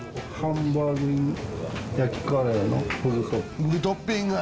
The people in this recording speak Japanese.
フグトッピング。